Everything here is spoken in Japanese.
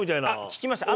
聞きました。